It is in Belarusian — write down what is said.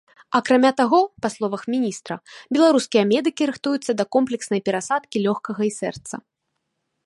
Акрамя таго, па словах міністра, беларускія медыкі рыхтуюцца да комплекснай перасадкі лёгкага і сэрца.